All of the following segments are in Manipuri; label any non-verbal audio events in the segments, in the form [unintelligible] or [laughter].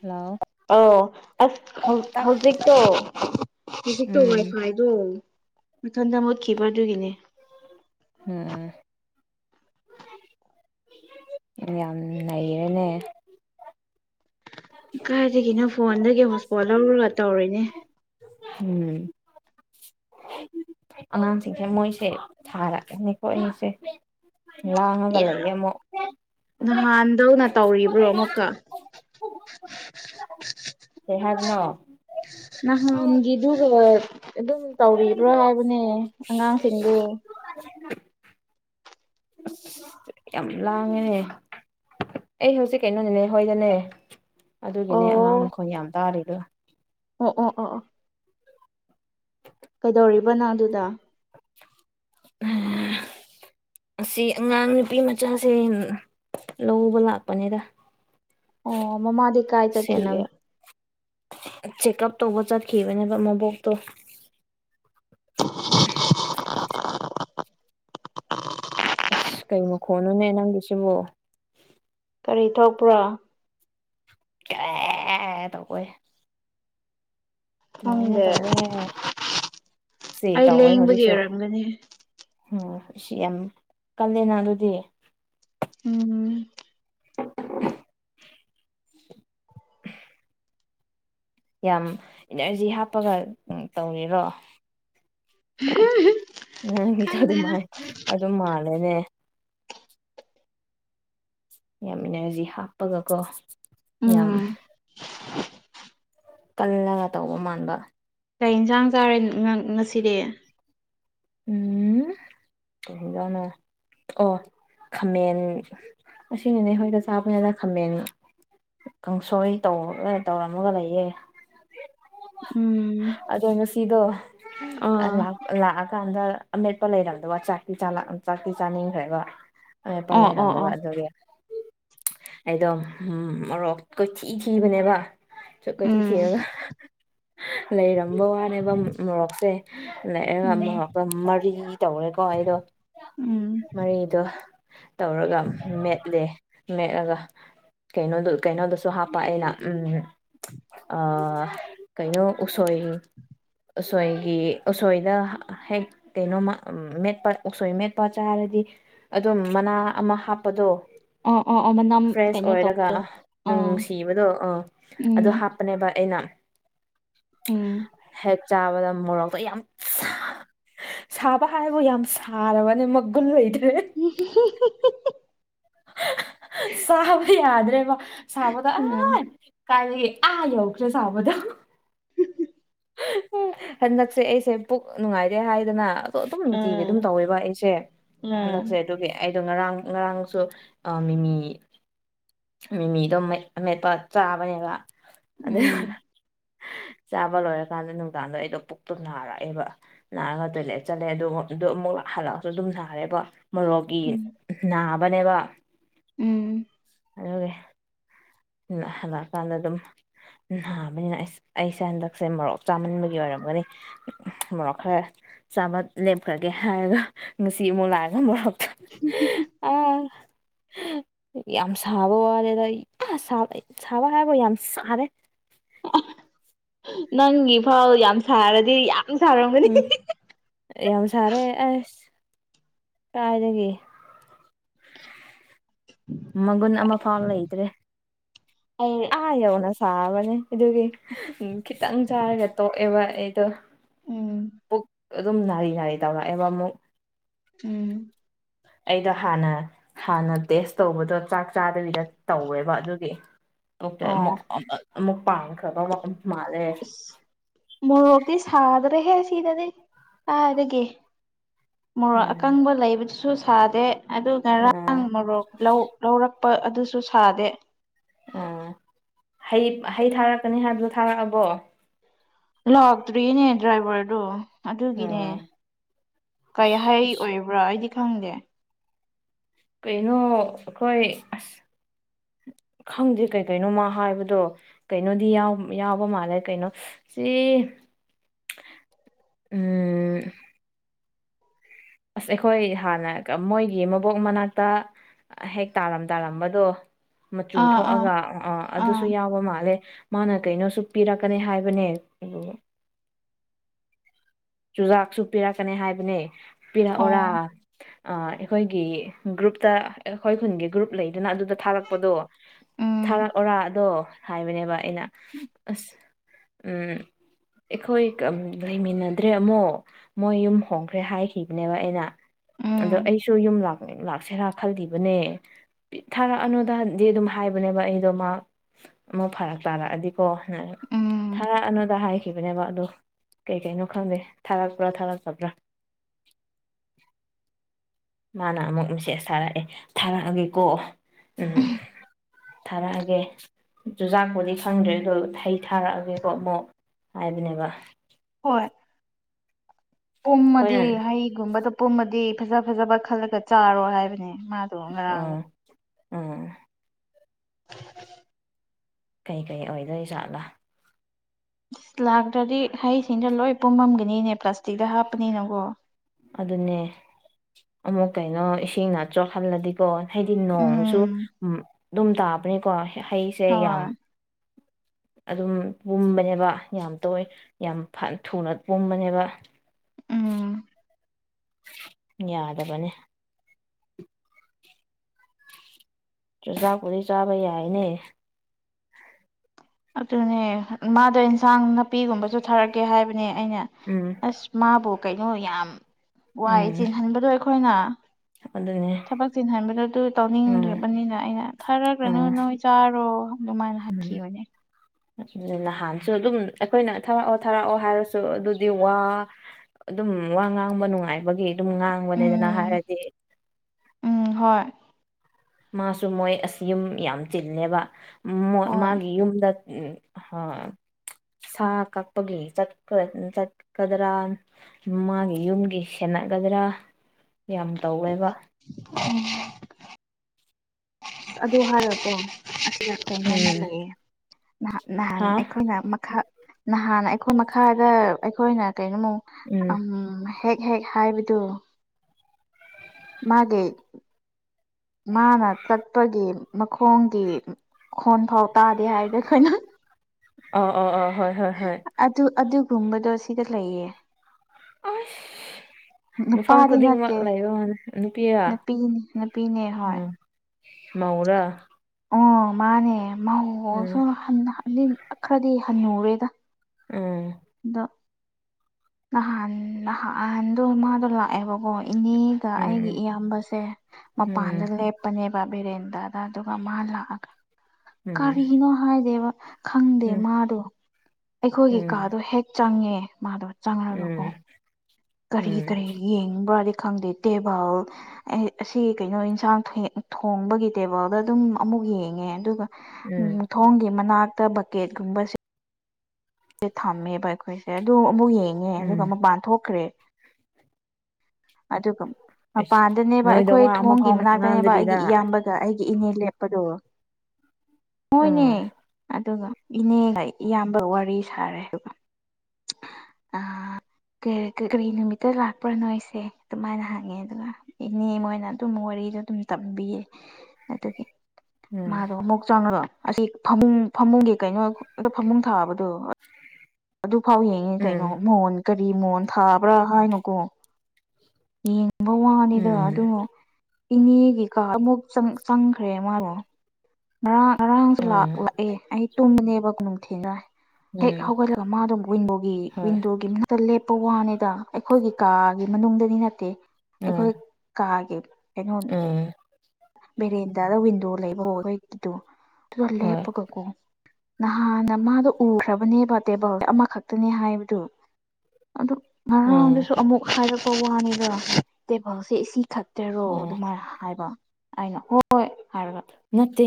ꯍꯜꯂꯣ ꯑꯧ ꯇꯞ ꯑꯁ ꯇꯞ ꯍꯧꯖꯤꯛꯇꯣ ꯍꯧꯖꯤꯇꯣ ꯎꯝ [unintelligible] ꯑꯗꯣ ꯃꯊꯟꯇ ꯃꯨꯠꯈꯤꯕ ꯑꯗꯨꯒꯤꯅꯦ ꯎꯝ ꯌꯥꯝ ꯅꯩꯔꯦꯅꯦ ꯀꯥꯏꯗꯒꯤꯅꯣ ꯐꯣꯟꯗꯒꯤ ꯍꯣꯁꯄꯣꯠ ꯂꯧꯔꯒ ꯇꯧꯔꯤꯅꯦ ꯎꯝ ꯑꯉꯥꯡꯁꯤꯡꯁꯦ ꯃꯣꯏꯁꯦ ꯊꯥꯔꯛꯑꯅꯤꯀꯣ ꯑꯩꯁꯦ ꯂꯥꯡꯉꯒ ꯌꯥ ꯂꯩꯌꯦꯃꯨꯛ ꯅꯍꯥꯟꯗꯧꯅ ꯇꯧꯔꯤꯕ꯭ꯔꯣ ꯑꯃꯨꯛꯀ ꯀꯩ ꯍꯥꯏꯕꯅꯣ ꯅꯍꯥꯟꯒꯤꯗꯨꯒ ꯑꯗꯨꯝ ꯇꯧꯔꯤꯕ꯭ꯔꯥ ꯍꯥꯏꯕꯅꯦ ꯑꯉꯥꯡꯁꯤꯡꯗꯨ ꯌꯥꯝ ꯂꯥꯡꯉꯦ ꯑꯩ ꯍꯧꯖꯤꯛ ꯀꯩꯅꯣꯅ ꯅꯦ ꯍꯣꯏꯗꯅꯦ ꯑꯗꯨꯒꯤꯅꯦ ꯑꯉꯥꯡ ꯑꯣ ꯃꯈꯣꯟ ꯌꯥꯝ ꯇꯥꯔꯤꯗꯣ ꯑꯣ ꯑꯣ ꯑꯣ ꯑꯣ ꯀꯩꯗꯧꯔꯤꯕ ꯅꯪ ꯑꯗꯨꯗ [unintelligible] ꯑꯁꯤ ꯑꯉꯥꯡ ꯅꯨꯄꯤ ꯃꯆꯥꯁꯦ ꯂꯧꯕ ꯂꯥꯛꯄꯅꯤꯗ [inaudible] ꯑꯣ ꯃꯃꯥꯗꯤ ꯀꯥꯏ ꯆꯠꯈꯤꯒꯦ ꯁꯦꯟꯅꯕ ꯆꯦꯛꯑꯞ ꯇꯧꯕ ꯆꯠꯈꯤꯕꯅꯦꯕ ꯃꯕꯣꯛꯇꯣ [unintelligible] ꯑꯁ ꯀꯩ ꯃꯈꯣꯟꯅꯣꯅꯦ ꯅꯪꯒꯤ ꯁꯤꯕꯨ ꯀꯔꯤ ꯊꯣꯛꯄ꯭ꯔꯥ [unintelligible] ꯇꯧꯕꯩ ꯑꯗꯨꯃꯥꯏꯅ ꯈꯪꯗꯦ ꯇꯧꯋꯦ ꯁꯤ ꯑꯩ ꯇꯧꯋꯦ ꯂꯦꯡꯕꯒꯤ ꯍꯧꯖꯤꯛꯁꯨ ꯑꯣꯏꯔꯝꯒꯅꯤ ꯎꯝ ꯁꯤ ꯌꯥꯝ ꯀꯜꯂꯦꯅ ꯑꯗꯨꯗꯤ ꯎꯝ [inaudible] ꯌꯥꯝ ꯏꯅꯔꯖꯤ ꯍꯥꯞꯄꯒ ꯇꯧꯔꯤꯔꯣ [unintelligible] ꯅꯪꯒꯤꯗꯣ ꯈꯪꯗꯦꯗ ꯑꯗꯨꯃꯥꯏ ꯑꯗꯨꯝ ꯃꯥꯜꯂꯦꯅꯦ ꯌꯥꯝ ꯏꯅꯔꯖꯤ ꯍꯥꯞꯄꯒꯀꯣ ꯌꯥꯝ ꯎꯝ ꯀꯜꯂꯒ ꯇꯧꯕ ꯃꯥꯟꯕ ꯀꯔꯤ ꯌꯦꯟꯁꯥꯡ ꯆꯥꯔꯦ ꯉꯁꯤꯗꯤ ꯎꯝ ꯀꯖꯎꯅ ꯑꯣ ꯈꯥꯃꯦꯟ ꯑꯁꯤꯅꯤꯅꯦ ꯍꯣꯏꯗ ꯆꯥꯕꯅꯅ ꯈꯝꯃꯦꯅꯦ ꯀꯥꯡꯁꯣꯏ ꯇꯧ ꯇꯧꯔꯝꯃꯒ ꯂꯩꯌꯦꯦ ꯎꯝ ꯑꯗꯣ ꯉꯁꯤꯗꯣ ꯑ ꯂ ꯀꯥꯟꯗ ꯑꯃꯦꯠꯄ ꯂꯩꯔꯝꯗꯕ ꯆꯥꯛꯇꯤ ꯆꯥꯛꯇꯤ ꯆꯥꯅꯤꯡꯈ꯭ꯔꯦꯕ ꯑꯃꯦꯞꯄ ꯑꯣ ꯑꯣ ꯂꯔꯝꯗꯕ ꯑꯣ ꯑꯗꯨꯒꯤ ꯑꯩꯗꯣ ꯎꯝ ꯃꯣꯔꯣꯛ ꯀꯣꯏꯊꯤ ꯊꯤꯈꯤꯕꯅꯦꯕ ꯆ ꯀꯣꯏꯊꯤ ꯎꯝ ꯊꯤꯔꯒ ꯂꯩꯔꯝꯕ ꯋꯥꯅꯦꯕ ꯃꯣꯔꯣꯛꯁꯦ ꯂꯩꯔꯒ ꯎꯝ ꯃꯣꯔꯣꯛꯇꯣ ꯃꯔꯤ ꯇꯧꯔꯦꯀꯣ ꯑꯩꯗꯣ ꯎꯝ ꯃꯔꯤꯗꯣ ꯇꯧꯔꯒ ꯃꯦꯠꯂꯦ ꯃꯦꯠꯂꯒ ꯀꯩꯅꯣꯗ ꯀꯩꯅꯣꯗꯁꯨ ꯍꯥꯞꯄ ꯑꯩꯅ ꯎꯝ ꯑ ꯀꯩꯅꯣ ꯎꯁꯣꯏ ꯎꯁꯣꯏꯒꯤ ꯎꯁꯣꯏꯗ ꯍꯦꯛ ꯀꯩꯅꯣꯃ ꯃꯦꯠꯄ ꯁꯣꯔꯤ ꯃꯦꯠꯄ ꯆꯥꯔꯗꯤ ꯑꯗꯨꯝ ꯃꯅꯥ ꯑꯃ ꯍꯥꯞꯄꯗꯣ ꯑꯣ ꯑꯣ ꯑꯣ ꯃꯅꯝ ꯐ꯭ꯔꯦꯁ ꯀꯩꯅꯣ ꯇꯧ ꯑꯣꯏꯔꯒ ꯑꯪ ꯑꯣ ꯅꯨꯡꯁꯤꯕꯗꯣ ꯑꯥ ꯑꯗꯨꯗ ꯎꯝ ꯍꯥ ꯅꯦꯅꯥ ꯎꯝ ꯆꯥꯕꯗ ꯃꯣꯔꯣꯛꯗꯣ ꯌꯥꯝ ꯁꯥꯕ ꯍꯥꯏꯕꯨ ꯌꯥꯝ ꯁꯥꯔꯕꯅꯦ ꯃꯒꯨꯟ ꯂꯩꯗ꯭ꯔꯦ ꯎ ꯁꯥꯕ ꯌꯥꯗ꯭ꯔꯦꯕ ꯁꯥꯕꯗ ꯑ ꯎꯝ ꯎꯝ ꯀꯥꯏꯦ ꯑꯥ ꯌꯧ ꯀ ꯁꯥꯕꯗ ꯎ ꯎ ꯍꯟꯗꯛꯁꯦ ꯑꯩꯁꯦ ꯄꯨꯛ ꯅꯨꯡꯉꯥꯏꯔꯦ ꯍꯥꯏꯗꯅ ꯁꯣ ꯑꯗꯨꯝ ꯅꯨꯡꯇꯤꯒꯤ ꯑꯗꯨꯝ ꯇꯧꯋꯦꯕ ꯑꯩꯁꯦ ꯍꯟꯗꯛꯁꯦ ꯑꯗꯨꯒꯤ ꯑꯩꯗꯣ ꯉꯔꯥꯡ ꯉꯔꯥꯡꯁꯨ ꯃꯤꯃꯤ ꯃꯤꯃꯤꯗꯣ ꯑꯃꯦꯠꯄ ꯆꯥꯕꯅꯦꯕ ꯑꯗꯨꯝ ꯎꯝ ꯆꯥꯕ ꯂꯣꯏꯔꯀꯥꯟꯗ ꯅꯨꯡꯗꯥꯡꯗꯣ ꯑꯩꯗꯣ ꯄꯨꯛꯇꯨꯝ ꯅꯥꯔꯛꯑꯦꯕ ꯅꯥꯑꯒ ꯇꯣꯏꯂꯦꯠ ꯆꯠꯂꯦ ꯑꯗꯨ ꯑꯗꯨ ꯑꯃꯨꯛ ꯍꯜꯂꯛꯑꯁꯨ ꯑꯗꯨꯝ ꯅꯥꯔꯦꯕ ꯃꯣꯔꯣꯛꯀꯤ ꯅꯥꯕꯅꯦꯕ ꯎꯝ ꯑꯗꯨꯒꯤ ꯍꯜꯂꯛꯑꯀꯥꯟꯗ ꯑꯗꯨꯝ ꯅꯍꯥꯕꯅꯤꯅ ꯑꯩꯁꯦ ꯍꯟꯗꯛꯁꯦ ꯃꯔꯣꯔꯣꯛ ꯆꯥꯃꯟꯕꯒꯤ ꯑꯣꯏꯔꯝꯒꯅꯤ ꯃꯣꯔꯣꯛ ꯈꯔ ꯆꯥꯕ ꯂꯦꯞꯈ꯭ꯔꯒꯦ ꯍꯥꯏꯔꯒ ꯉꯁꯤ ꯑꯃꯨꯛ ꯂꯥꯛꯑꯒ ꯃꯣꯔꯣꯛ [unintelligible] ꯌꯥꯝ ꯁꯥꯕ ꯋꯥꯔꯦꯗ ꯁꯥꯕ ꯍꯥꯏꯕ ꯌꯥꯝ ꯁꯥꯔꯦ ꯅꯪꯒꯤꯐꯥꯎ ꯌꯥꯝ ꯁꯥꯔꯗꯤ ꯌꯥꯝ ꯁꯥꯔꯝꯒꯅꯤ ꯎꯝ ꯌꯥꯝ ꯁꯥꯔꯦ ꯑꯁ ꯀꯥꯏꯒꯦ ꯃꯒꯨꯟ ꯑꯃ ꯐꯥꯎ ꯂꯩꯇ꯭ꯔꯦ ꯑ ꯆ ꯌꯧꯅ ꯁꯥꯕꯅꯦ ꯑꯗꯨꯒꯤ ꯈꯤꯇꯪ ꯆꯥꯔꯒ ꯇꯣꯛꯑꯦꯕ ꯑꯩꯗꯣ ꯎꯝ ꯄꯨꯛ ꯑꯗꯨꯝ ꯅꯥꯔꯤ ꯅꯥꯔꯤ ꯇꯧꯔꯛꯑꯦꯕ ꯑꯃꯨꯛ ꯎꯝ ꯑꯩꯗꯣ ꯍꯥꯟꯅ ꯍꯥꯟꯅ ꯇꯦꯁ꯭ꯇ ꯇꯧꯕꯗꯣ ꯆꯥꯛ ꯆꯥꯗꯕꯤꯗ ꯇꯧꯋꯦꯕ ꯑꯗꯨꯒꯤ ꯑꯣꯀꯦ ꯑꯃꯨꯛ ꯑꯣ ꯑꯃꯨꯛ ꯄꯥꯡꯈ꯭ꯔꯕ ꯃ ꯃꯥꯜꯂꯦ ꯃꯣꯔꯣꯛꯇꯤ ꯁꯥꯗꯔꯦꯍꯦ ꯁꯤꯗꯗꯤ ꯀꯗꯥꯏꯗꯒꯤ ꯃꯣꯔꯣꯛ ꯎꯝ ꯑꯀꯪꯕ ꯂꯩꯕꯗꯨꯁꯨ ꯁꯥꯗꯦ ꯑꯗꯨꯒ ꯉꯔꯥꯡ ꯎꯝ ꯃꯣꯔꯣꯛ ꯂꯧ ꯂꯧꯔꯛꯄ ꯑꯗꯨꯁꯨ ꯁꯥꯗꯦ ꯑꯣ ꯍꯩ ꯍꯩ ꯊꯥꯔꯛꯀꯅꯤ ꯍꯥꯏꯕꯗꯣ ꯊꯥꯔꯛꯑꯕꯣ ꯂꯥꯛꯇ꯭ꯔꯤꯅꯦ ꯗ꯭ꯔꯥꯏꯚꯔꯗꯣ ꯑꯗꯨꯒꯤꯅꯦ ꯎꯝ ꯀꯩ ꯍꯥꯏ ꯏꯁ ꯑꯣꯏꯕ ꯭ꯕ꯭ꯔꯣ ꯑꯩꯗꯤ ꯈꯪꯗꯦ ꯀꯩꯅꯣ ꯑꯩꯈꯣꯏ ꯑꯁ ꯈꯪꯗꯦ ꯀꯩ ꯀꯩꯅꯣ ꯃꯥ ꯍꯥꯏꯕꯗꯣ ꯀꯩꯅꯣꯗꯤ ꯌꯥꯎꯕ ꯃꯥꯜꯂꯦ ꯀꯩꯅꯣ ꯆꯦ ꯎꯝ ꯑꯁ ꯑꯩꯈꯣꯏ ꯍꯥꯟꯅ ꯃꯣꯏꯒꯤ ꯃꯕꯣꯛ ꯃꯅꯥꯛꯇ ꯍꯦꯛ ꯇꯥꯔꯝ ꯇꯥꯔꯝꯕꯗꯣ ꯃꯆꯨ ꯑꯥ ꯑꯥ ꯊꯣꯛꯑꯒ ꯑ ꯑꯥ ꯑꯗꯨꯁꯨ ꯌꯥꯎꯕ ꯃꯥꯜꯂꯦ ꯃꯥꯅ ꯀꯩꯅꯣꯁꯨ ꯄꯤꯔꯛꯀꯅꯤ ꯍꯥꯏꯕꯅꯦ ꯑꯗꯨ ꯆꯨꯖꯥꯛꯁꯨ ꯄꯤꯔꯛꯀꯅꯤ ꯍꯥꯏꯕꯅꯦ ꯄꯤꯔꯛꯑꯣꯔꯥ ꯑꯣ ꯑ ꯑꯩꯈꯣꯏꯒꯤ ꯒ꯭ꯔꯨꯞꯇ ꯑꯩꯈꯣꯏ ꯈꯨꯟꯒꯤ ꯒ꯭ꯔꯨꯞ ꯂꯩꯗꯅ ꯑꯗꯨꯗ ꯊꯥꯔꯛꯄꯗꯣ ꯎꯝ ꯊꯥꯔꯛ ꯑꯣꯔꯥ ꯑꯗꯣ ꯍꯥꯏꯕꯅꯦꯕ ꯑꯩꯅ ꯑꯁ ꯑꯨꯝ ꯑꯩꯈꯣꯏ ꯂꯩꯃꯤꯟꯅ ꯗ꯭ꯔꯦ ꯑꯃꯨꯛ ꯃꯣꯏ ꯌꯨꯝ ꯍꯣꯡꯈ꯭ꯔꯦ ꯍꯥꯏꯈꯤꯕꯅꯦꯕ ꯑꯩꯅ ꯑꯗꯣ ꯎꯝ ꯑꯩꯁꯨ ꯌꯨꯝ ꯂꯥꯛ ꯂꯥꯛꯁꯤꯔꯥ ꯈꯜꯂꯤꯕꯅꯦ ꯊꯥꯔꯛꯑꯅꯣꯗꯗꯤ ꯑꯗꯨꯝ ꯍꯥꯏꯕꯅꯦꯕ ꯑꯩꯗꯣ ꯃꯥ ꯑꯃꯨꯛ ꯐꯔꯛ ꯇꯥꯔꯛꯑꯗꯤ ꯀꯣ ꯎꯝ ꯊꯥꯔꯥꯚꯑꯅꯣꯗ ꯍꯥꯏꯈꯤꯕꯅꯦꯕ ꯑꯗꯨ ꯀꯩ ꯀꯩꯅꯣ ꯈꯪꯗꯦ ꯊꯥꯔꯛꯄ꯭ꯔꯥ ꯊꯔꯛꯇꯕ꯭ꯔꯥ ꯃꯥꯅ ꯑꯃꯨꯛ ꯃꯦꯁꯦꯠꯁ ꯊꯥꯔꯛꯑꯦ ꯊꯥꯔꯛꯑꯒꯦꯀꯣ ꯎꯝ ꯊꯔꯛꯑꯒꯦ ꯆꯨꯖꯥꯛꯄꯨꯗꯤ ꯈꯪꯗ꯭ꯔꯦꯗꯣ ꯍꯩ ꯊꯥꯔꯛꯑꯒꯦꯀꯣ ꯑꯃꯨꯛ ꯍꯥꯏꯕꯅꯦꯕ ꯍꯣꯏ ꯄꯨꯡꯃꯗꯤ ꯑꯩꯈꯣꯏꯅ ꯍꯩꯒꯨꯝꯕꯗꯣ ꯄꯨꯝꯃꯗꯤ ꯐꯖ ꯐꯖꯕ ꯈꯜꯂꯒ ꯆꯥꯔꯣꯏ ꯍꯥꯏꯕꯅꯦ ꯃꯥ ꯎꯝ ꯎꯝ [unintelligible] ꯀꯩꯀꯩ ꯑꯣꯏꯗꯣꯏꯖꯥꯠꯂꯥ ꯂꯥꯛꯇ꯭ꯔꯗꯤ ꯍꯩꯁꯤꯡꯗꯣ ꯂꯣꯏ ꯄꯨꯝꯃꯝꯒꯅꯤꯅꯦ ꯄ꯭ꯂꯥꯁꯇꯤꯛꯇ ꯍꯥꯞꯄꯅꯤꯅꯀꯣ ꯑꯗꯨꯅꯦ ꯑꯃꯨꯛ ꯀꯩꯅꯣ ꯏꯁꯤꯡꯅ ꯆꯣꯛꯍꯜꯂꯗꯤꯀꯣ ꯍꯥꯏꯗꯤ ꯅꯣꯡꯁꯨ ꯎꯝ ꯎꯝ ꯑꯗꯨꯝ ꯇꯥꯕꯅꯤꯀꯣ ꯍꯩꯁꯦ ꯌꯥꯝ ꯍꯣꯏ [unintelligible] ꯑꯗꯨꯝ ꯄꯨꯝꯕꯅꯦꯕ ꯌꯥꯝ ꯇꯧꯋꯦ ꯌꯥꯝ ꯊꯨꯅ ꯄꯨꯝꯕꯅꯦꯕ ꯎꯝ ꯌꯥꯗꯕꯅꯦ ꯆꯨꯖꯥꯛꯄꯨꯗꯤ ꯆꯥꯕ ꯍꯥꯏꯅꯦ ꯑꯗꯨꯅꯦ ꯃꯥꯗꯣ ꯏꯟꯁꯥꯡ ꯅꯥꯄꯤꯒꯨꯝꯕꯁꯨ ꯊꯥꯔꯛꯀꯦ ꯍꯥꯏꯕꯅꯦ ꯑꯩꯅ ꯎꯝ ꯑꯁ ꯃꯥꯕꯨ ꯀꯩꯅꯣ ꯌꯥꯝ ꯋꯥꯏ ꯎꯝ ꯆꯤꯟꯍꯟꯕꯗꯣ ꯑꯩꯈꯣꯏꯅ ꯑꯗꯨꯅꯦ ꯊꯕꯛ ꯆꯜꯍꯟꯕꯗꯣ ꯑꯗꯨ ꯎꯝ ꯇꯧꯅꯤꯡꯗ꯭ꯔꯕꯅꯤꯅ ꯑꯩꯅ ꯊꯥꯔꯛꯔꯅꯨ ꯎꯝ ꯅꯣꯏ ꯆꯥꯔꯣ ꯑꯗꯨꯃꯥꯏꯅ ꯎꯝ ꯍꯥꯏꯈꯤꯕꯅꯦ ꯅꯍꯥꯟꯁꯨ ꯑꯗꯨꯝ ꯑꯩꯈꯣꯏꯅ ꯊꯥꯔꯛꯑꯣ ꯊꯥꯔꯛꯑꯣ ꯍꯥꯏꯔꯁꯨ ꯑꯗꯨꯗꯤ ꯋꯥ ꯑꯗꯨꯝ ꯋꯥ ꯉꯥꯡꯕ ꯅꯨꯡꯉꯥꯏꯕꯒꯤ ꯑꯗꯨꯝ ꯉꯥꯡꯕꯅꯦꯗꯅ ꯎꯝ ꯍꯥꯏꯔꯗꯤ ꯎꯝ ꯍꯣꯏ ꯃꯥꯁꯨ ꯃꯣꯏ ꯑꯁ ꯌꯨꯝ ꯌꯥꯝ ꯆꯤꯜꯂꯦꯕ ꯃꯣꯏ ꯍꯣꯏ ꯃꯥꯒꯤ ꯌꯨꯝꯗ ꯎꯝ ꯍꯣꯏ ꯁꯥ ꯀꯛꯄꯒꯤ ꯆꯠꯄ ꯆꯠꯀꯗ꯭ꯔꯥ ꯃꯥꯒꯤ ꯌꯨꯝꯒꯤ ꯁꯦꯟꯅꯒꯗ꯭ꯔꯥ ꯌꯥꯝ ꯇꯧꯋꯦꯕ ꯎꯝ ꯑꯗꯨ ꯍꯥꯏꯔꯀꯣ ꯀꯩꯅꯣꯝꯃ ꯎꯝ ꯂꯩꯌꯦ ꯅꯍꯥꯟ ꯅꯍꯥꯟ ꯍꯥ ꯑꯩꯈꯣꯏꯅ ꯃꯈꯥ ꯅꯍꯥꯟ ꯑꯩꯈꯣꯏ ꯃꯈꯥꯗ ꯑꯩꯈꯣꯏꯅ ꯀꯩꯅꯣꯃꯨꯛ ꯎꯝ ꯍꯦꯛ ꯍꯦꯛ ꯍꯥꯏꯕꯗꯨ ꯃꯥꯒꯤ ꯃꯥꯅ ꯆꯠꯄꯒꯤ ꯃꯈꯣꯡꯒꯤ ꯈꯣꯟ ꯐꯥꯎ ꯇꯥꯗꯦ ꯍꯥꯏꯔꯗꯤ ꯑꯩꯈꯣꯏꯅ ꯑꯥ ꯑ ꯑꯥ ꯍꯣꯏ ꯍꯣꯏ ꯍꯣꯏ ꯑꯗꯨ ꯑꯗꯨꯒꯨꯝꯕꯗꯣ ꯁꯤꯗ ꯂꯩꯌꯦ ꯑꯁ ꯃꯐꯝ ꯅꯨꯄꯥꯗꯤ ꯈꯨꯗꯤꯡꯃꯛ ꯅꯠꯇꯦ ꯂꯩꯌꯦ ꯅꯨꯄꯤꯒ ꯅꯨꯄꯤꯅꯦ ꯅꯨꯄꯤꯅꯦ ꯍꯣꯏ ꯎꯝ ꯃꯧꯔ ꯑꯣ ꯃꯥꯅꯦ ꯃꯍꯧꯁꯨ ꯎꯝ [unintelligible] ꯈꯔꯗꯤ ꯍꯟꯅꯨꯔꯦꯗ ꯎꯝ ꯑꯗꯣ ꯅꯍꯥꯟ ꯅꯍꯥꯟꯗꯣ ꯃꯥꯗꯣ ꯂꯥꯛꯑꯦꯕꯀꯣ ꯏꯅꯦ ꯑꯩꯒꯤ ꯎꯝ ꯏꯌꯥꯝꯕꯁꯦ ꯃꯄꯥꯟꯗ ꯎꯝ ꯂꯦꯞ ꯂꯦꯄꯅꯦꯕ ꯕꯦꯔꯦꯟꯗꯗꯥ ꯑꯗꯨꯒ ꯃꯥ ꯂꯥꯛꯑꯒ ꯎꯝ ꯀꯔꯤꯅꯣ ꯍꯥꯏꯗꯦꯕ ꯈꯪꯗꯦ ꯎꯝ ꯃꯥꯗꯣ ꯑꯩꯈꯣꯏꯒꯤ ꯎꯝ ꯀꯥꯗꯣ ꯍꯦꯛ ꯆꯪꯉꯦ ꯃꯥꯗꯣ ꯆꯪꯔꯒꯀꯣ ꯎꯝ ꯀꯔꯤ ꯎꯝ ꯀꯔꯤ ꯌꯦꯡꯕ꯭ꯔꯥꯗꯤ ꯈꯪꯗꯦ ꯇꯦꯕꯜ ꯑꯩ ꯑꯁꯤ ꯀꯩꯅꯣ ꯏꯟꯁꯥꯡ ꯊꯣꯡꯕꯒꯤ ꯇꯦꯕꯜꯗ ꯑꯗꯨꯝ ꯑꯃꯨꯛ ꯌꯦꯡꯉꯦ ꯑꯗꯨꯒ ꯎꯝ ꯊꯣꯡꯒꯤ ꯃꯅꯥꯛꯇ ꯕꯛꯀꯦꯠꯀꯨꯝꯕꯁꯦ ꯊꯝꯃꯦꯕ ꯑꯩꯈꯣꯏꯁꯦ ꯑꯗꯨ ꯑꯃꯨꯛ ꯌꯦꯡꯉꯦ ꯑꯗꯨꯒ ꯎꯝ ꯑꯃꯨꯛ ꯃꯄꯥꯟꯊꯣꯛꯈ꯭ꯔꯦ ꯑꯗꯨꯒ ꯑꯁ ꯃꯄꯥꯟꯗꯅꯦꯕ ꯅꯣꯏꯗ ꯑꯩꯈꯣꯏ ꯋꯥ ꯑꯃ ꯊꯣꯡꯒꯤ ꯐꯥꯎ ꯃꯅꯥꯛꯇꯅꯦꯕ ꯑꯩꯒꯤ ꯉꯥꯡꯗꯕꯤꯗ ꯏꯌꯥꯝꯕ ꯑꯩ ꯑꯩꯒꯤ ꯏꯅꯦ ꯂꯦꯞꯄꯗꯣ ꯃꯣꯏꯅꯦ ꯎꯝ ꯑꯗꯨꯒ ꯏꯅꯦꯒ ꯏꯌꯥꯝꯕ ꯋꯥꯔꯤ ꯁꯥꯔꯦ ꯍꯥꯏ ꯑ ꯀꯔꯤ ꯅꯨꯃꯤꯠꯇ ꯂꯥꯛꯄ꯭ꯔꯥ ꯅꯣꯏꯁꯦ ꯑꯗꯨꯃꯥꯏꯅ ꯍꯪꯉꯦ ꯑꯗꯨꯒ ꯏꯅꯦ ꯃꯣꯏꯅ ꯑꯗꯨꯝ ꯋꯥꯔꯤꯗꯣ ꯑꯗꯨꯝ ꯇꯝꯕꯤꯌꯦ ꯑꯗꯨꯒꯤ ꯎꯝ ꯃꯥꯗꯣ ꯑꯃꯨꯛ ꯆꯪꯉꯣ ꯑꯁꯤ ꯐꯃꯨꯡ ꯐꯃꯨꯡꯒꯤ ꯀꯩꯅꯣ ꯐꯃꯨꯡ ꯊꯥꯕꯗꯣ ꯑꯗꯨꯐꯥꯎ ꯌꯦꯡꯉꯦ ꯀꯩꯅꯣ ꯎꯝ ꯃꯣꯟ ꯀꯔꯤ ꯃꯣꯟ ꯊꯥꯕ꯭ꯔꯥ ꯍꯥꯏꯅꯣꯀꯣ ꯌꯦꯡꯕ ꯋꯥꯅꯤꯗ ꯎꯝ ꯑꯗꯨ ꯏꯅꯦꯒꯤꯀꯥ ꯑꯃꯨꯛ ꯆꯪꯈ꯭ꯔꯦ ꯃꯥꯗꯣ ꯉꯔꯥꯡ ꯉꯔꯥꯡꯁꯨ ꯂꯥꯛ ꯎꯝ ꯂꯥꯛꯑꯦ ꯑꯩ ꯇꯨꯝꯕꯅꯦꯕ ꯀꯣꯅꯨꯡꯊꯤꯟꯗ ꯍꯦꯛ ꯎꯝ ꯍꯧꯒꯂꯒ ꯃꯥꯗꯣ ꯋꯤꯟꯗꯤ ꯍꯣꯏ ꯋꯤꯟꯗꯣꯒꯤ ꯇ ꯂꯦꯞꯄ ꯋꯥꯅꯤꯗ ꯑꯩꯈꯣꯏꯒꯤ ꯀꯥꯒꯤ ꯃꯅꯨꯡꯗꯗꯤ ꯅꯠꯇꯦ ꯑꯩꯈꯣꯏ ꯀꯥꯒꯤ ꯀꯩꯅꯣ ꯑꯣ ꯕꯦꯔꯦꯟꯗꯥꯗ ꯋꯤꯟꯗꯣ ꯂꯩꯕꯀꯣ ꯑꯩꯈꯣꯢꯒꯤꯗꯣ ꯑꯗꯨꯗ ꯍꯣꯏ ꯂꯦꯞꯄꯒꯒꯣ ꯅꯍꯥꯟꯅ ꯃꯥꯗꯣ ꯎꯈ꯭ꯔꯕꯅꯦꯕ ꯇꯦꯕꯜꯗ ꯑꯃꯈꯛꯇꯅꯦ ꯍꯥꯏꯕꯗꯨ ꯑꯗꯨ ꯉꯔꯥꯡꯁꯨ ꯎꯝ ꯑꯃꯨꯛ ꯍꯥꯏꯔꯛꯄ ꯋꯥꯅꯦꯕ ꯇꯦꯕꯜꯁꯦ ꯁꯤꯈꯛ ꯇꯔꯣ ꯎꯝ ꯑꯗꯨꯃꯥꯏꯅ ꯍꯥꯏꯕ ꯑꯩꯅ ꯍꯣꯏ ꯍꯥꯏꯔꯒ ꯅꯠꯇꯦ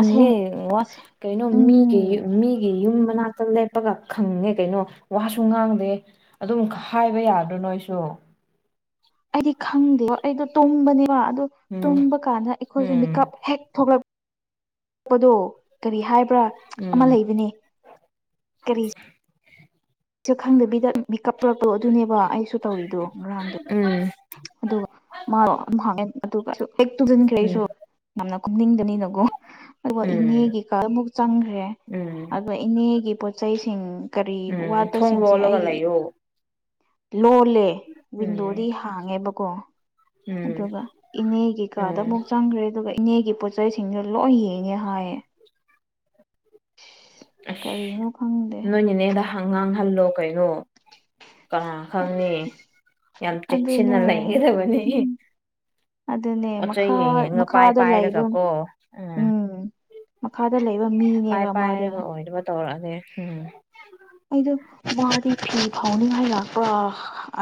ꯑꯁꯦꯡ ꯋꯥ ꯀꯩꯅꯣ ꯃꯤꯒꯤ ꯎꯝ ꯃꯤ ꯃꯤꯒꯤ ꯌꯨꯝ ꯃꯅꯥꯛꯇ ꯂꯦꯞꯄꯒ ꯈꯪꯉꯦ ꯀꯩꯅꯣ ꯋꯥꯁꯨ ꯉꯥꯡꯗꯦ ꯑꯗꯨꯝ ꯍꯥꯏꯕ ꯌꯥꯗꯔꯣ ꯅꯣꯏꯁꯨ ꯑꯩꯗꯤ ꯈꯪꯗꯦꯕ ꯑꯩꯗꯣ ꯇꯨꯝꯕꯅꯦꯕ ꯑꯗꯨ ꯎꯝ ꯇꯨꯝꯕ ꯀꯥꯟꯗ ꯑꯩꯈꯣꯏꯁꯨ ꯎꯝ ꯃꯤꯀꯞ ꯍꯦꯛ ꯊꯣꯛꯂꯛꯄ ꯄꯗꯣ ꯀꯔꯤ ꯍꯥꯏꯕ꯭ꯔꯥ ꯑꯃ ꯎꯝ ꯂꯩꯕꯅꯦ ꯀꯔꯤ ꯁꯦ ꯈꯪꯗꯕꯤꯗ ꯃꯤꯀꯞ ꯊꯣꯔꯛꯄꯗꯣ ꯑꯗꯨꯅꯦꯕ ꯑꯩꯁꯨ ꯇꯧꯔꯤꯗꯣ ꯉꯔꯥꯡꯗꯣ ꯎꯝ ꯑꯗꯨꯒ ꯃꯥ ꯑꯗꯨꯒ ꯍꯦꯛ ꯇꯨꯝꯁꯤꯟꯈ꯭ꯔꯦ ꯑꯩꯁꯨ ꯎꯝ ꯌꯥꯝꯅ ꯇꯨꯝꯅꯤꯡꯕꯅꯤꯅꯀꯣ ꯑꯗꯨꯒ ꯎꯝ ꯏꯅꯦꯒꯤ ꯀꯗꯥ ꯑꯃꯨꯛ ꯆꯪꯈ꯭ꯔꯦ ꯎꯝ ꯑꯗꯨꯒ ꯏꯅꯦꯒꯤ ꯄꯣꯠꯆꯩꯁꯤꯡ ꯀꯔꯤ ꯎꯝ ꯊꯣꯡ ꯋꯥꯠꯄꯁꯤꯡꯁꯦ ꯂꯣꯜꯂꯒ ꯑꯩꯒꯤ ꯂꯩꯌꯣ ꯂꯣꯜꯂꯦ ꯋꯤꯟꯗꯣꯗꯤ ꯎꯝ ꯍꯥꯡꯉꯦꯕꯀꯣ ꯎꯝ ꯑꯗꯨꯒ ꯏꯅꯦꯒꯤ ꯀꯥꯗ ꯎꯝ ꯑꯃꯨꯛ ꯆꯪꯈ꯭ꯔꯦ ꯑꯗꯨꯒ ꯏꯅꯦꯒꯤ ꯄꯣꯠꯆꯩꯁꯤꯡꯗꯨ ꯂꯣꯏ ꯌꯦꯡꯉꯦ ꯍꯥꯏꯌꯦ ꯑꯁ ꯀꯔꯤꯅꯣ ꯈꯪꯗꯦ ꯅꯣꯏꯅꯦꯅꯦꯗ ꯍ ꯉꯥꯡꯍꯜꯂꯣ ꯀꯩꯅꯣ ꯀꯅꯥꯥ ꯈꯪꯅꯤ ꯌꯥꯝ ꯑꯗꯨꯅꯦ ꯆꯦꯛꯁꯤꯟꯅ ꯂꯩꯒꯗꯕꯅꯤ ꯎꯝ ꯑꯗꯨꯅꯦ ꯄꯣꯠ ꯆꯩ ꯃꯈꯥ ꯌꯦꯡꯉꯒ ꯄꯥꯏ ꯃꯈꯥꯗ ꯄꯥꯏꯔꯒ ꯂꯩꯕ ꯀꯣ ꯎꯝ ꯃꯈꯥꯗ ꯂꯩꯕ ꯃꯤꯅꯦꯕ ꯃꯥꯗꯣ ꯇꯧꯔꯛꯑꯅꯦ ꯍꯝꯍꯝ ꯑꯩꯗꯣ ꯋꯥꯗꯤ ꯐꯤ ꯐꯥꯎꯅꯤꯉꯥꯏ ꯂꯥꯛꯄ꯭ꯔ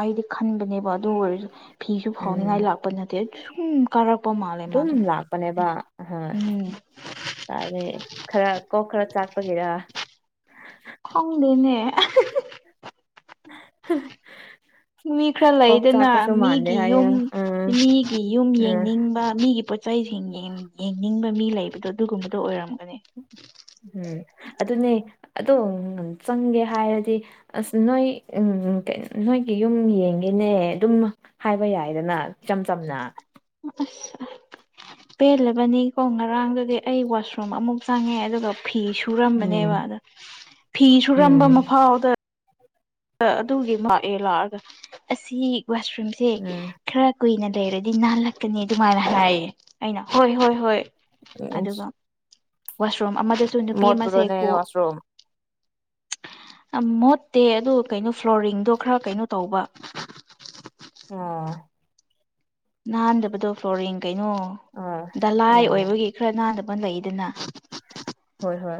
ꯑꯩꯗꯤ ꯈꯟꯕꯅꯦꯕ ꯑꯗꯨ ꯑꯣꯏꯔꯁꯨ ꯐꯤꯁꯨ ꯎꯝ ꯐꯥꯎꯅꯤꯡꯉꯥꯏ ꯂꯥꯛꯄ ꯅꯠꯇꯦ ꯁꯨꯝ ꯀꯥꯔꯛꯄ ꯃꯥꯜꯂꯦ ꯃꯥꯗꯣ ꯑꯍꯣꯏ ꯎꯝ ꯀꯗꯥꯏꯗꯩ ꯈꯔ ꯀꯣꯛ ꯈꯔ ꯆꯥꯛꯄꯒꯤꯔ ꯈꯪꯗꯦꯅꯦ ꯍ ꯃꯤ ꯈꯔ ꯂꯩꯗꯅ ꯃꯥꯟꯗꯦ ꯃꯤꯒꯤ ꯍꯥꯏꯌꯦ ꯌꯨꯝ ꯎꯝ ꯃꯤꯒꯤ ꯌꯨꯝ ꯎꯝ ꯌꯦꯡꯅꯤꯡꯕ ꯃꯤꯒꯤ ꯆꯩꯁꯤꯡ ꯌꯦꯡꯅꯤꯡꯕ ꯃꯤ ꯂꯩꯕꯗꯣ ꯑꯗꯨꯒꯨꯝꯕꯗꯨꯣ ꯑꯣꯏꯔꯝꯒꯅꯤ ꯎꯝ ꯑꯗꯨꯅꯦ ꯑꯗꯣ ꯆꯪꯒꯦ ꯍꯥꯏꯔꯗꯤ ꯑꯁ ꯅꯣꯏ ꯎꯝ ꯅꯣꯏꯒꯤ ꯌꯨꯝ ꯌꯦꯡꯒꯦꯅꯦ ꯑꯗꯨꯝ ꯍꯥꯏꯕ ꯌꯥꯏꯗꯅ ꯏꯆꯝ ꯆꯝꯅ ꯑꯁ ꯄꯦꯜꯂꯕꯅꯤꯀꯣ ꯉꯔꯥꯡꯗꯨꯗꯤ ꯑꯩ ꯋꯥꯁꯔꯨꯝ ꯑꯃꯨꯛ ꯆꯪꯉꯦ ꯑꯗꯨꯒ ꯐꯤꯁꯨ ꯎꯝ ꯁꯨꯔꯝꯕꯅꯦꯕ ꯑꯗ ꯐꯤ ꯎꯝ ꯁꯨꯔꯝꯕ ꯐꯥꯎꯗ ꯑꯗꯨꯒꯤ ꯃꯥ ꯍꯦꯛ ꯂꯥꯛꯑꯒ ꯑꯁꯤ ꯋꯥꯁꯔꯨꯝꯁꯦ ꯎꯝ ꯈꯔ ꯀꯨꯏꯅ ꯂꯩꯔꯗꯤ ꯅꯥꯜꯂꯛꯀꯅꯤ ꯑꯗꯨꯃꯥꯏꯅ ꯍꯥꯏꯌꯦ ꯑꯩꯅ ꯍꯣꯏ ꯍꯣꯏ ꯍꯣꯏ ꯑꯗꯨꯒ ꯋꯥꯁꯔꯨꯝ ꯑꯃꯗꯁꯨ ꯅꯨꯄꯤ ꯑꯃꯁꯦ ꯃꯣꯠꯄ꯭ꯔꯣꯅꯦ ꯀꯣ ꯋꯥꯁꯔꯨꯝ ꯑ ꯃꯣꯠꯇꯦ ꯑꯗꯨ ꯀꯩꯅꯣ ꯐ꯭ꯂꯣꯔꯤꯡꯗꯣ ꯈꯔ ꯀꯩꯅꯣ ꯇꯧꯕ ꯑꯣ ꯅꯥꯟꯗꯕꯗꯣ ꯐ꯭ꯂꯣꯔꯤꯡ ꯀꯩꯅꯣ ꯑꯥ ꯗꯂꯥꯏ ꯑꯥ ꯑꯣꯏꯕꯒꯤ ꯈꯔ ꯅꯥꯟꯗꯕ ꯂꯩꯗꯅ ꯍꯣꯏ ꯍꯣꯏ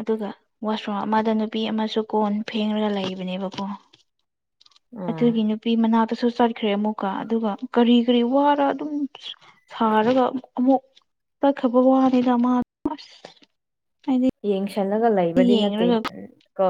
ꯑꯗꯨꯒ ꯋꯥꯁꯔꯨꯝ ꯑꯃꯗ ꯅꯨꯄꯤ ꯑꯃꯁꯨ ꯀꯣꯟ ꯐꯦꯡꯔꯒ ꯂꯩꯕꯅꯦꯕꯀꯣ ꯑꯥ ꯑꯗꯨꯒꯤ ꯅꯨꯄꯤ ꯃꯅꯥꯛꯇꯁꯨ ꯆꯠꯈ꯭ꯔꯦ ꯑꯃꯨꯛꯀ ꯑꯗꯨꯒ ꯀꯔꯤ ꯀꯔꯤ ꯋꯥꯔ ꯑꯗꯨꯝ ꯁꯥꯔꯒ ꯑꯃꯨꯛ ꯑꯃꯨꯛ ꯆꯛꯈ꯭ꯔꯕ ꯋꯥꯅꯤꯅ ꯃꯥ ꯑꯁ ꯌꯦꯡꯁꯜꯂꯒ ꯂꯩꯕꯗꯤ ꯅꯠꯇꯦ ꯌꯦꯡꯔꯒ ꯎꯝ ꯀꯣ